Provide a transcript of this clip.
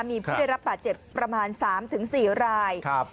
มีผู้ได้รับปาดเจ็บประมาณสามถึงสี่รายครับ